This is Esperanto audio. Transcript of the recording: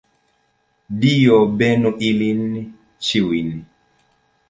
Dio benu ilin ĉiujn!